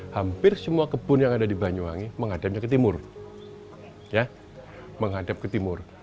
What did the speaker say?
hampir semua kebun yang ada di banyuwangi menghadapnya ke timur